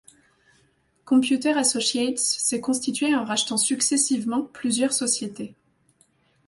Computer Associates s'est constituée en rachetant successivement plusieurs sociétés.